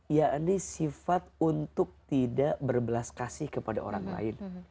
yakni sifat untuk tidak berbelas kasih kepada orang lain